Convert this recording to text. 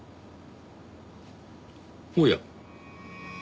おや？